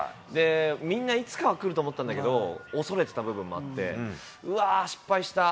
みんないつかは来ると思ったんだけど、恐れてた部分もあって、うわー、失敗した。